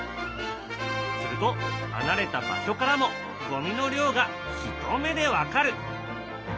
すると離れた場所からもゴミの量が一目で分かる。